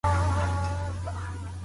کدو ځانته نه پخېږي.